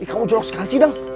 ih kamu jorok sekali sih dang